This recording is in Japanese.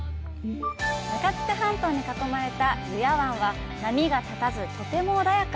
向津具半島に囲まれた油谷湾は波が立たず、とても穏やか。